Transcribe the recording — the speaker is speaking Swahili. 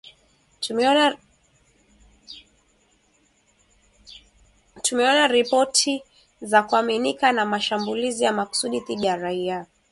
Tumeona ripoti za kuaminika za mashambulizi ya makusudi dhidi ya raia